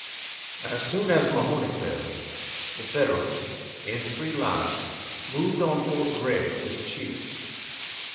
As soon as Mahone fell the Federals, in three lines, moved on fort Gregg, with cheers.